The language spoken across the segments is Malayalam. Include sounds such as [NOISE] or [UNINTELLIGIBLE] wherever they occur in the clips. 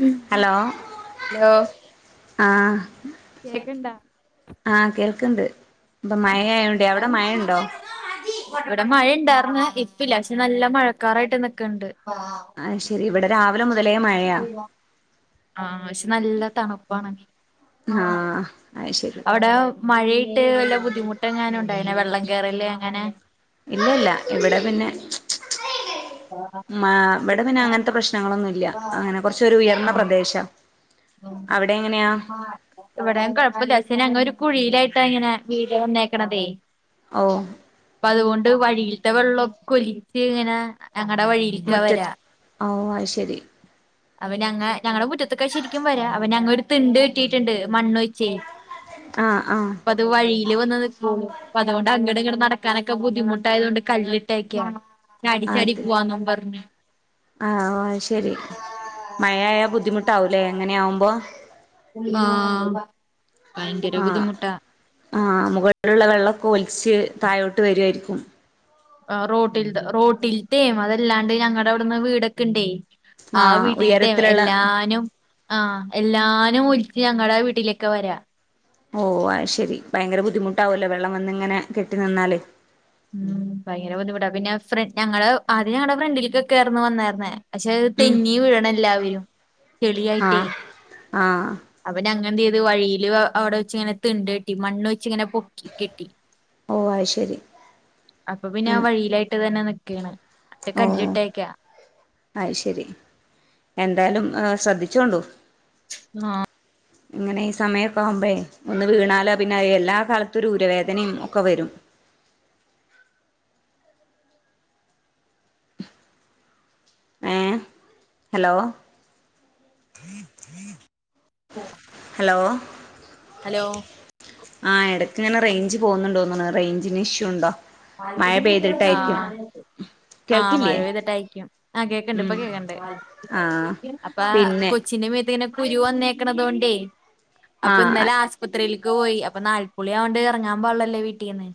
ഹലോ ആഹ കേക്കണ്ടാ ആഹ കേൾക്കണ്ട് ഇപ്പൊ മഴ ആയോണ്ട് അവിടെ മഴുണ്ടോ ഇവിടെ മഴ ഇണ്ടായിാരുന്ന ഇപ്പല്ല പക്ഷെ നല്ല മഴക്കാറായിട്ട്ന്നൊക്കെുണ്ട് ആഹ ശരി ഇവിടെ രാവിലെ മുത ആ പക്ഷെ നല്ല തണുപ്പാണങ്കി ആ ആഹ് അത് ശരി അവിടെ മഴട്ട് വല്ല ബുദ്ധിമുട്ട് എങ്ങാന ഉണ്ടായിെ വെം കേറല്ലേ അങ്ങനെ ഇല്ലല്ല ഇവിടെ പിന്നെ ആ മ ഇവിടെ പിന്നെ അങ്ങനത്തെ പ്രശ്നങ്ങളൊന്നുംല്ല അങ്ങനെ കൊറച്ചൊരു ഉയർന്ന ആഹ് പ്രദേശം ഇവിടെയും കൊഴപ്പമില്ലാ അസിനു അങേ കുഴിയിലായിട്ട് ഇങ്ങനെ വീട് വന്നേക്കണതേ ഓ അപ്പൊ അതുകൊണ്ട് വഴിയിലത്തെ വെള്ളമൊക്ക ഒലിച്ച് ഇങ്ങനെ ഞങ്ങളടെ വഴിയിലക്കെ മുറ്റത്ത് വരാ ഓ അത് ശരി അവൻ ഞങ്ങ ഞങ്ങളുടെ മുറ്റത്തൊക്കെ ശരിക്കും വരാ അവൻ ഞങ്ങരു തിണ്ട് കെട്ടിട്ടുണ്ട് മണ്ണ് വച്ച് ആഹ് ആഹ് അപ്പ അത് വഴിയില് വന്ന അതൊണ്ട് അ ഇ ക്കാനൊക്കെ ബുദ്ധിമുട്ടായത് കൊണ്ട് കല്ലിട്ടേക്കാ ചാടിച്ചാടി പോവാന്നും പറഞ്ഞ് ആ ശെരി മഴയായ ബുദ്ധിമുട്ടാവൂലേ എങ്ങനെ ആവുമ്പോ ഉ ആ ആ മുകളിലുള്ള വെള്ളമൊക്കെ ഒലിച്ച് താഴോട്ട് വരുായിരിക്കും റോട്ടിൽ റോട്ടിലത്തേയും അതല്ലാണ്ട് ഞങ്ങളടെ അവിടുന്ന് വീടൊക്കെ ഇണ്ടേ ആ ആഹ് വീട്ടിലത്തെ ഉയരത്തിലുള്ള എല്ലാനും ആഹ എല്ലാനും ഒലിച്ച് ഞങ്ങളടെ വീട്ടിലേക്കെ വരാ ഓ അ ശെരി ഭയങ്കര ബുദ്ധിമുട്ടാവല്ലോ വെള്ളം വന്നിങ്ങനെ കെട്ടി നിന്നാല് ഉം ഭയങ്കര ബുദ്ധിമുട്ടാണ് പിന്നെ ഫ്ര ഞങ്ങള് ആദ്യ ഞങ്ങളടെ ഫ്രണ്ടിൽക്കൊക്കെർന്ന് വന്നായിരുന്നേ പക്ഷെ ഉം തെന്നി വീഴണ എല്ലാവരും ചെളിയായിട്ടേ ആഹ് ആഹ് അവന അങ്ങനന്ത് ചെയ്ത് വഴിയില് അവിടെ വച്ച ഇങ്ങനണ്ടട്ടി മണ്ണ് ഇങ്ങനെ പൊക്കി കെട്ടി ഓ അത് ശരി അപ്പൊ പിന്നെ ഉം വഴിയിലായിട്ട് തന്നെ ക്കെയാണ് ഓ അ ശരി എന്തായാലും ശ്രദ്ധി കണ്ടു ആഹ് - ഇങ്ങനെ ഈ സമയമൊക്കെ ആകുമ്പേ ഒന്ന് വീണാലോ പിന്നെ എല്ലാ കാലത്തും ഒരു ദഊരവേദനയും ഒക്കെ വരും- അ ഏ ഹലോ ഹലോ ഹലോ ആഹ് ഇടയ്ക്ക് ഇങ്ങനെ റേഞ്ച് പോകുന്നുണ്ടോന്നാണ് റേഞ്ചിന് ഇഷ്യു ഉണ്ടോ [UNINTELLIGIBLE] മഴ ആ പെയ്തിട്ടായിരിക്കും ആ മഴ കേൾക്കില്ലേ പെയ്തിട്ട്യക്കും ആ കേക്കണ്ട് ഇപ്പൊ ഉം കേക്കണ്ടേ ആഹ് അപ്പ പിന്നെ കൊച്ചിന്റെ മീത്തങ്ങനെ കുരു വന്നേക്കണതൊണ്ട് അപ്പൊ ആഹ് നല ആസത്ൽ പോയി അപ്പൊ നാല്പ്പൊളി ആോണ്ട് ഇറങ്ങാൻ പോാള്ളല്ലേ വീട്ടീന്നന്ന്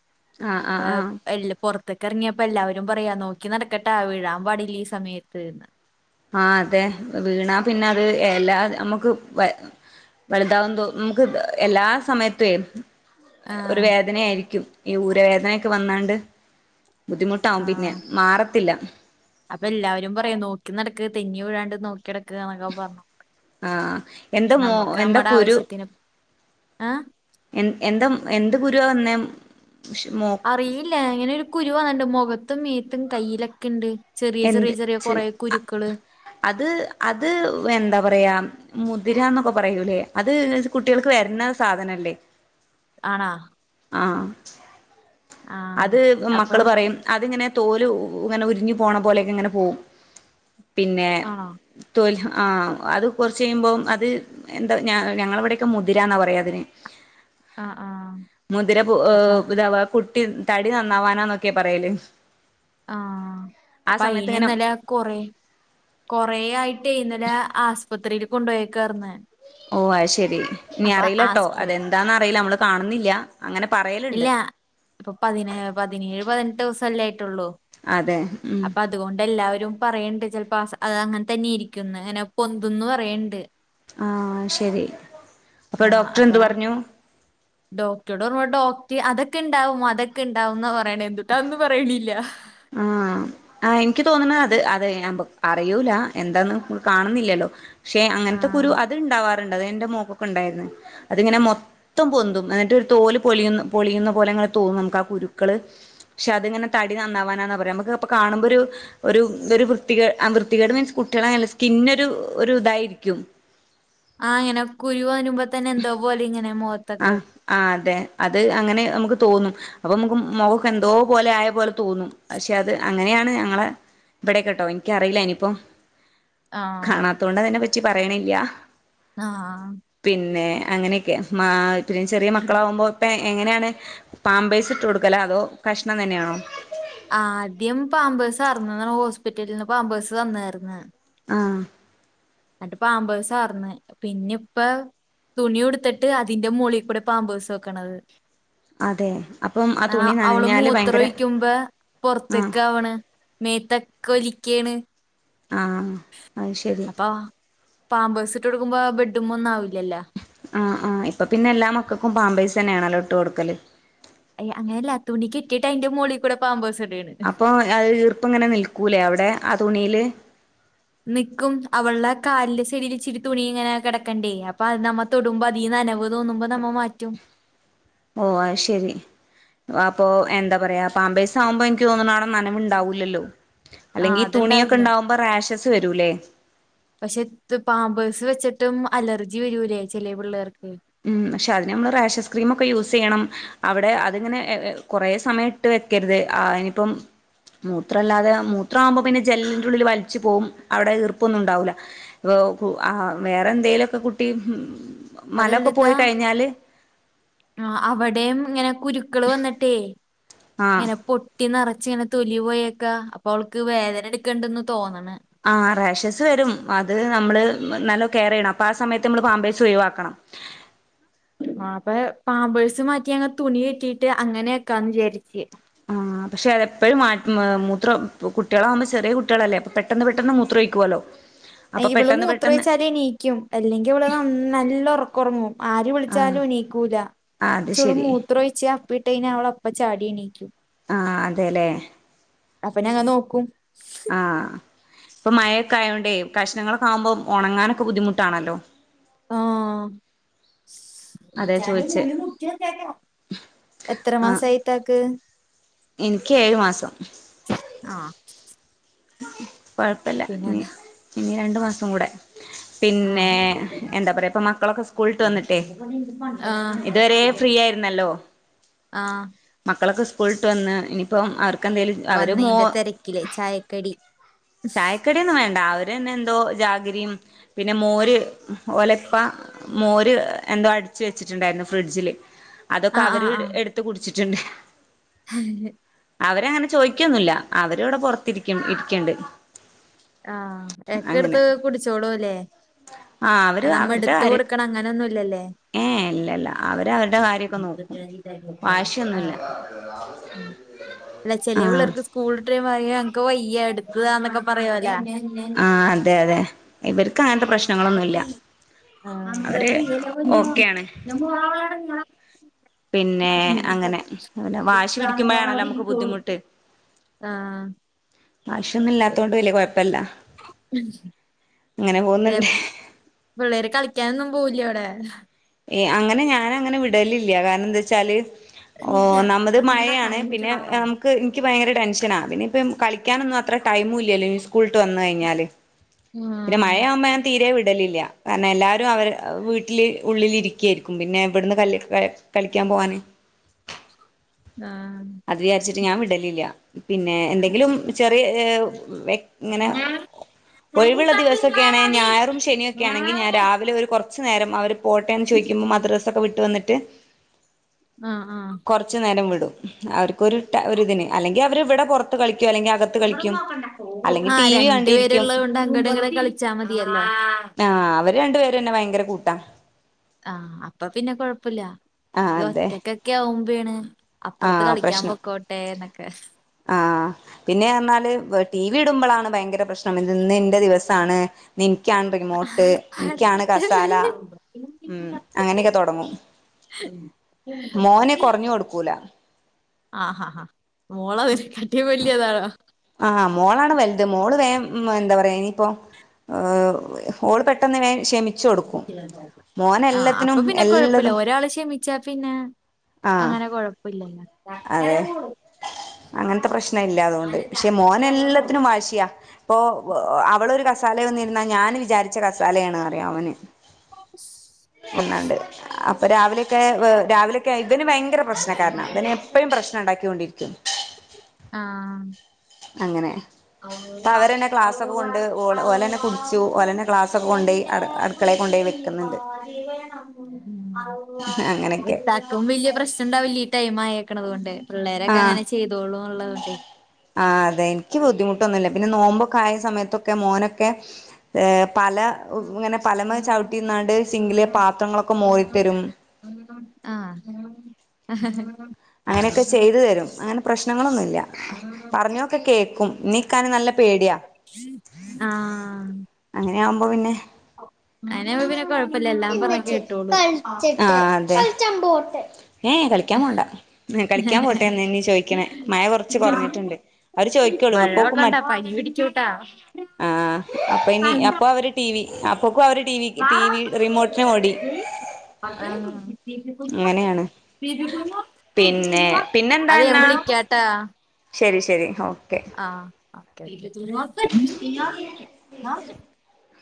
ആഹ് എല്ല് പുറത്ത് ഇത്തൊക്കെ ഇറങ്ങിയപ്പോ എല്ലാവരും പറയാ നോക്കി നടക്കട്ടാ വിീഴാൻ പാടില്ല ഈ സമയത്ത്ന്ന് ആ അതെ വീണാ പിന്നെ അത് എല്ലാ നമ്മുക്ക് വലുതാവുന്ന തോ നമുക്ക് എല്ലാ സമയത്തയും ഒരു ആഹ് വേദനയായിരിക്കും ഈ ഊരവേദനൊക്കെ വന്നാണ്ട് ബുദ്ധിമുട്ടാവും ആഹ് പിന്നെ മാറത്തില്ല അപ്പൊ എല്ലാവരും പറയാ നോക്കി നടക്ക് തെന്നി വീഴാണ്ട് നോക്കി നടക്ക് എന്നൊക്കെ പറഞ്ഞു ആഹ എന്താ പക്ഷെ മോ നമുക്ക് എന്തൊ നമ്മുടെ കുരു ആവശ്യത്തിന് ആ എ എന്താ എന്ത് ഗുരുവ എന്നേ അറിയില്ല ഇങ്ങനെ ഒരു കുരു വന്നിണ്ട് മുഖത്തും മീത്തും കയ്യിലൊക്കെ ഉണ്ട് ചെറിയ ചെറിയ എന്ത് ചെറിയ ച്ച് കുറെ കുരുക്കള് അത് അത് എന്താ പറയാ മുതിരാന്നൊക്ക പറയൂലേ അത് സ് കുട്ടികൾക്ക് വരുന്ന സാധനല്ലേ ആണാ ആ ആ അത് അപ്പൊ മക്കള് പറയും അതിങ്ങനെ തോൽ ഇങ്ങനെ ഉരിഞ്ഞു പോണ പോലെയൊക്കെ ഇങ്ങനെ പോകും പിന്നെ ആണോ തോൽ ആഹ് അത് കുറച്ച് കഴിയുമ്പോം അത് എന്താ ഞങ്ങളവിടെൊക്കെ മുതിരന്നാ പറയാ അതിന് ആ ആ മുതിര പോ അപ്പൊ റവ പുട്ട്. [UNINTELLIGIBLE] തടി നന്നാവാനാന്നൊക്കെ പറയല്. ആഹ ആ അപ്പൊ സമയത്ത് ഇങ്ങനെ അയിനിന്നലെ കൊറേ കൊറേ ആയിട്ടേയ്ന്നെലെ ആസ് പുത്തിരിയിൽ കൊണ്ടേയ്ക്കർന്ന്. ഓ അത്ശരി ഇനി അറിയില്ലട്ടോ ആസ്പത്രി അതെന്താന്ന് അറിയില്ല അമ്മള് കാണുന്നില്ല അങ്ങനെ പറയലുണ്ട് അപ്പൊ പതിനേ പതിനേഴ് പതിനെട്ട് വുസല്ലേ ആയിട്ടുള്ളൂ അതെ ഉം അപ്പൊ അതുകൊണ്ട് എല്ലാവരും പറയണ്ട് ചിലപ്പോ അത് അങ്ങനെ തന്നെ ഇരിക്കുന്നു അങ്ങനെ പൊന്ന്തന്ന് പറയണ്ട് ആ ശരി അപ്പൊ ആഹ് ഡോക്ടർ അപ്പ എന്ത് പറഞ്ഞു ഡോക്ടർടെ ഓർമ ഡോ ഏ അതൊക്കെണ്ടാവും അതൊക്കെണ്ടാവും എന്ന പറയണ് എന്തുട്ടാന്ന് പറയിണില്ല. ആ ആ എനിക്ക് തോന്ന്ണ് അത് അതെ? ഞാൻ പൊ അറിയൂലാ എന്താന്ന് കാണുന്നില്ലല്ലോ പക്ഷെ അങ്ങനത്തൊക്ക ആഹ് ഒരു അത്ണ്ടാവാ ക്കെ ഉണ്ട അങ്ങനെ മൊത്തം പൊും എന്നിൊലെ തൂങ്ങും ആ കുരുക്കള് ശേ അത്ങ്ങനെ തടി നന്നാവാൻ [UNINTELLIGIBLE] നമുക്കപ്പൊ കാണുമ്പോരു ഒരു ഒരു വൃത്തികേ അ വൃത്തികേട് മീൻസ് കുട്ടികള സ്കിന്നൊരു ഒരു ഇതായിരിക്കും ആഹ് അങ്ങനെ കുരു വരുമ്പോ തന്നെ എന്താ പോലെ ഇങ്ങനെ മോ ആഹ ആഹ അതെ അത് അങ്ങനെ നമുക്ക് തോന്നും അപ്പൊ നമുക്ക് മുഖക്കെന്തോ പോലെ ആയ പോലെ തോന്നും പക്ഷെ അത് അങ്ങനെയാണ് ഞങ്ങളെ ഇവിടെക്കെട്ടോ എനിക്കറിയില്ല ഇനിപ്പോ ആഹ് കാണാത്തോണ്ട് അതിനെ പറ്റി പറയണില്ല്യാ ആഹ അങ്ങനെയൊക്കെ മാ പി ചെറിയ മക്കളാകുമ്പോ പ്പെ എങ്ങനെയാണ് പാമ്പേഴ്സ് ഇട്ട് കൊടുക്കലോ അതോ കഷ്ണം തന്നെയാണോ ആ ആദ്യം പാമ്പേഴ്സ് അറന്ന ഹോസ്പിറ്റലിൽ നിന്ന് പാമ്പേഴ്സ് തന്നായിുന്ന ആ എന്നി് പാമ്പേഴസ്ാർന്ന് പിന്നെ ഇപ്പ തുണി ഉടുത്തിട്ട് അതിന്റെ മോളികൂടെ പാമ്പേഴ്‌സ് വെക്കണത് അതെ അപ്പം ആ അ തുണി അവള് നനഞ്ഞാല് മൂത്ര ഭയങ്കര ഒഴിക്കുമ്പോ ആഹ് പുൊറത്തേക്ക ആവണ് മേത്തക്ക് ഒലിക്കയാണ് ആഹ അത് ശരി അപ്പൊ പാമ്പഴ്സ് ഇട്ട് കൊടുക്കുമ്പോ ബെഡും ഒന്നും ആാവില്ലല്ലോ ആ ആഹ്പ്പ പിന്നെ എല്ലാ മക്കൾക്കും പാമ്പൈസ് തന്നെയാണല്ലോ ഇട്ട് കൊടുക്കല് അയ് അങ്ങെയല്ല തുണി കെട്ടീട്ട് അയിന്റെ മോളി കൂടെ പാമ്പേഴ്സ് ഇടുകയാണ് അപ്പൊ അ ഈർപ്പങ്ങനെ നിൽക്കൂലേ അവിടെ ആ തുണിയില്? നിക്കും അവള കാലിന്റെ സൈഡൽ ഇച്ചിരി തുണി ഇങ്ങനെ കിടക്കണ്ടേ അപ്പൊ അത് നമ്മ തൊടുമ്പോ അീ നനവ് തോന്നുമ്പോ നമ്മ മാറ്റും ഓ അശരി ആ അപ്പൊ എന്താ പറയാ പാമ്പേഴ്‌സാവുമ്പൊ എനിക്ക് തോന്നുന്നാണ നനവുണ്ടാവൂല്ലല്ലോ ആഹ് അത്ണ്ടാവില്ല വരൂലേ പക്ഷെ പാമ്പേഴ്സ് വെച്ച് ഏറ്റും അലർജി വരൂല്ലേ ചെില പിള്ളേർക്ക് ഉം പക്ഷെ അതിന് നമ്മള് റേഷസ് ക്രീമൊക്കെ യൂസ് ചെയ്യണം അവിടെ അതങ്ങനെ എ എ കൊറേ സമയ്ട്ട് വെ ക്കരുത് ആഹ് ഇനിയിപ്പം മൂത്രല്ലാതെ മൂത്രാവുമ്പോ പിന്നെ ജെല്ലിന്റുള്ളില് വലിച്ചു പോകും. അവിടെ ഈർപ്പൊന്നു ണ്ടാവൂല്ല. ആഹ് വേറെ എന്തെലൊക്കെ കുട്ടി മലൊക്കെ പോയി അതല്ലത്താ കഴിഞ്ഞാല്- ആ അവിടെയും ഇങ്ങനെ കുരുക്കൾ വന്നിട്ടേ ആഹ് ഇങ്ങനെ പൊട്ടി- നെറച്ച് ഇങ്ങനെ തൊലി പോയക്കാ അപ്പൊ അവൾക്ക് വേദന എടുക്കണ്ടന്ന് തോന്നണേ- ആ റാഷസ് വരും അത് നമ്മള് നല്ല കെയർയ്യെണം അപ്പൊ ആ സമയത്ത് നമ്മള് പാമ്പേസ് ഒഴിവാക്കണം. - പാമ്പ് പാമ്പേഴ്സ് മാറ്റി യങ്ങ് തുണി കെട്ടിട്ട് അങ്ങനെയൊക്കാന്ന് വിചാരിച്ച്. ആഹ് പക്ഷെ അതെപ്പോഴും മ മൂത്രം കുട്ടികളാകുമ്പോ ചെറിയ കുട്ടികളല്ലേ അപ്പോ പെട്ടെന്ന് പെട്ടെന്ന് മൂത്ര ഇക്ക് വല്ലോ? അയിവള് മൂത്രൊഴിച്ചാല് എണീക്കും അല്ലെങ്കി ഇവള് ന നല്ല ഒറക്കൊറങ്ങു ആര് ആഹ് വിളിച്ചാലും ഉനീക്കൂല അത് ചുളും ശരി മൂത്ര ഒഴിച്ച അപ്പിട്ടന അവള- [UNINTELLIGIBLE] ചാടി എണീക്കും. ആഹ് അതെല്ലേ. അപ്പ ഞങ്ങ നോക്കും. ആഹ് ഇപ്പൊ [UNINTELLIGIBLE] കഷ്ണങ്ങളൊക്കെ ആവുമ്പോ ഒണങ്ങാനൊക്കെ ബുദ്ധിമുട്ടാണല്ലോ ആഹ് അതെ വിളിച്ചാലും ചോദിച്ചേ ഉള്ളി മൂപ്പിച്ചു വെച്ചേക്കണം. എത്ര ആഹ് മാസായി ഇത്താക്ക്? എനിക്ക് ഏഴു മാസം. ആഹ് കൊഴപ്പല്ല ഇനി ഇനി രണ്ടു മാസോം കൂടെ ആ പിന്നെ എന്താ പറയാ ഇപ്പൊ മക്കളൊക്കെ സ്കൂള് വിട്ട് വന്നിട്ടേ ഇതുവരെ [UNINTELLIGIBLE] ഫ്രീ ആയിരുന്നല്ലോ. ആ മക്കളൊക്കെ സ്കൂള് വിട്ട് വന്ന് ഇനീപ്പം അറി [UNINTELLIGIBLE] അവര് മോ വന്നതിന്റെ തിരക്കില് ചായക്കടി ചായക്കടിയൊന്നും വേണ്ട. അവരന്നെ എന്തോ ജാഗരിയും പിന്നെ മോര് ഓലെ ഉപ്പ മോര് എന്തോ അടിച്ചു വെച്ചിട്ടുണ്ടായിരുന്നു ഫ്രിഡ്ജില്. അതൊക്കെ ആഹ് ആഹ് അവര് എടുത്ത് കുടിച്ചിട്ടുണ്ട്. ആഹ് അവരങ്ങന ചോയ്ക്കൊന്നുല്ല അവരിവിട പൊറത്തിരിക്കും ഇരിക്കെണ്ട് ആഹ ഏറ്റെടുത്ത് കുടിച്ചോളുവല്ലേ ആ അവര് അത് നമ്മ എടുത്ത് കൊടുക്കണം അങ്ങനൊന്നും ഇല്ലല്ലേ. ഏഹ് ഇല്ല ഇല്ല. അവര് അവരുടെ കാര്യൊക്കെ നോക്കും വാശിയൊന്നുല്ല ആഹ് ആഹ് അല്ല ചെല ആ പിള്ളേർക്ക് സ്കൂൾ വിട്ട് വരുമ്പം [UNINTELLIGIBLE] [UNINTELLIGIBLE] വയ്യ എടുത്തു താ എന്നൊക്കെ പറയൊല്ല. ആഹ് അതെ അതെ ഇവര്ക്ക് അങ്ങനത്തെ പ്രശ്നങ്ങളൊന്നുല്ല അവര് ഓക്കെയാണ് ആ മ്ഹ് പിന്നെ അങ്ങനെ [UNINTELLIGIBLE] പിന്നെ വാശി പറഞ്ഞു അവിടെ പിടിക്കുമ്പോഴാണല്ലോ നമുക്ക് ഇരിക്കോള്ളു. ബുദ്ധിമുട്ട് ആഹ് വാശിയൊന്നും ഇല്ലാത്തോണ്ട് വലിയ കൊഴപ്പല്ല. അങ്ങനെ പിന്നെ പോകുന്നുണ്ട്. പിള്ളേര് കളിക്കാനൊന്നും പോവില്ല ഇവടെ എ അങ്ങനെ ഞാനങ്ങനെ വിടലില്ല കാരണെന്താച്ചാല് ഓ ഒന്നാമത് മഴയാണ് പിന്നെ ഞമ്ക്ക് ഇൻക്ക് ഭയങ്കര ടെൻഷന ആ പിന്നെ ഇപ്പ കളി ക്കാനൊന്നും അത്ര ടൈമുല്ലല്ലോ ഈ സ്കൂള് വിട്ട് വന്ന് കയ്ഞാല് പിന്നെ മയയാവുമ്പോ ഞാൻ തീരെ വി ടലില്ല കാരണം എല്ലാവരും അവരെ വീട്ടില് ഉള്ളിലിരിക്ക്യേയ്ക്കും പിന്നെ വ്ട്ന്ന് കല്ല് ക കളിക്കാൻ പോവാന് ആ അത് വിചാരിച്ചിട്ട് ഞാൻ വിടലില്ല പിന്നെ എന്തെങ്കിലും ചെറിയ ഏ വെ ഇങ്ങനെ ആഹ് ഒയ് വ്ള്ള ദിവസമൊക്കെണെ ആഹ് ഞായറും ശനിയൊക്കാണെങ്കി ഞാൻ രാവിലെ ഒരു കൊർ ച്ച് നേരം അവര് പോട്ടേന്ന് ചോയ്ക്കുമ്പോ മദ്രസൊക്കെവിട്ട് വന്ന്ട്ട് ആ ആ കൊർച്ച് നേരം വിടും അവർക്കൊരു ടാ ഒരിതിന് അല്ലെങ്കി അവര് ഇവിടെ പൊർത്ത് കളിക്ക ആ ടി വി രണ്ട് കണ്ടിരിക്കും പേരുള്ളതോണ്ട് അങ്ട്ട്ങ്ങട്ട് കളിച്ചാമതിയല്ലോ ആ വര് രണ്ടു പേരെന്നെ ഭയങ്കര കൂട്ടാ ആ അപ്പൊപിന്നെ കൊഴപ്പുല്ല ആ ഇത് അതെ ഒറ്റക്കൊക്കെആകുമ്പേഴേണ് ആ അപ്പറ്ത്ത് കളിക്കാൻ പൊക്കോട്ടെന്നൊക്കെ ആ പിന്നെ പറഞ്ഞാല് ടി വി ഇടുമ്പോളാണ് ഭയങ്കര പ്രശ്നം ഇന്നെന്റെ ദിവസാണ് നിക്കാണ് റിമോട്ട് എനിക്കാണ് കസാല അടക്കല്ലേ. ഉം അങ്ങനെയൊക്കെ തുടങ്ങും മോനെ കുറഞ്ഞു കൊടുക്കൂല ആ ഹാ ആ മോള് അതിനെക്കാട്ടിയ വലിയതാണോ ആഹ മോളാണ് വലുത് മോള് വേ എന്താ പറയാ ഇനിയിപ്പോൊ ഏ ഓൾ പെട്ടെന്ന് ക്ഷമിച്ചു കൊടുക്കും മോന് ആഹ് അപ്പ എല്ലാത്തിനും പിന്നെ കൊഴപ്പില്ല എല്ലതും ഒരാള് ക്ഷമിച്ചാ പിന്നെ ആഹ് അങ്ങനെ കൊഴപ്പില്ലല്ല അതെ അങ്ങൻത്തെ പ്രശ് ന ഇല്ലാ തുകൊണ്ട് നാല് പക്ഷെ മോന് ചക്കര മോളും എല്ലാത്തിനും വാശിയാ ഇപ്പൊ അവളൊരു കസാലയ വന്നിരുന്നാ ഞാൻ വിചാരിച്ച കസാലയാണ് അറിയാം അവന് ഒന്നണ്ട് അപ്പൊ രാവിലെയൊക്കെ രാവിലെയൊക്കെ ആയി അതിന് ഭയങ്കര അമ്മയെ പ്രശ്നകാരനാ നോക്കണ്ട അതിന് ക്ഷണണ്ടാകിക്കൊണ്ടിരിക്കുന്ന് ആഹ് അങ്ങനെ പ്പ അവരന്നെ ക്ലാസൊക്കെ അള്ളാ കൊണ്ട് ഓല് ഓലന്നെ കുടിച്ചു അള്ളാഹു ഓലന്നെ ക്ലാസക്കെ കൊണ്ടയി അടു അടുക്കളെ കൊണ്ടോയി വെക്കുന്നുണ്ട് അങ്ങനെയൊക്കെ ത്താക്കും വലിയ പ്രശ്നംണ്ടാവ ലീടൈം ആയേക്കെണെത്കൊണ്ട് ആഹ് പിള്ളേരൊക്കങ്ങനെ ചെയ്തോളൂള്ളതൊണ്ടൈ ആഹ് അതെ എനിക്ക് ബുദ്ധിമുട്ടൊന്നുമില്ല പിന്നെ നോമ്പ കായ സമയത്തൊക്കെ മോനൊക്കെ പല ഇങ്ങനെ പലമേ ചവിട്ടിന്നാണ്ട് സിങ്കിലെ പാത്രങ്ങളൊക്കെ മോറിത്തരും ആഹ അങ്ങനെയൊക്കെ ചെയ്തു തരും അങ്ങനെ പ്രശ്നങ്ങളൊന്നുല്ല പറഞ്ഞാലൊക്കെ കേക്കും ക്കും നീക്കാന് നല്ല പേടിയാ ആ നെ ആകുമ്പോ പിന്നെ പിന്നെ കൊഴപ്പില്ല എല്ലാം പറഞ്ഞ പിച്ച് കേട്ടോളും കളിച്ചട്ട ആഹ് തെ ചമ്പോട്ടെ ഏഹ് കളിക്കാൻ പോണ്ട കളിക്കാൻ പോട്ടെ എന്നനി ചോദിക്കണേ മഴ കുറച്ച് കുറഞ്ഞിട്ടുണ്ട് അവര് ചോയ് മഴ വെള്ളണ്ടാ പനി പിടിച്ചു ട്ടാ ആ അപ്പൊഇനി അപ്പൊവര് ടീ വി ന അവര് ടി വി ടി വി റിമോട്ടിന് ഓടി അത്രയും ആഹ്. ബിബി കുഞ്ഞ് അങ്ങനെയാണ് പിന്നെ അത് ഞാ വിളിക്കാട്ടാ ശെരി ശെരി ഓക്കെ ആഹ്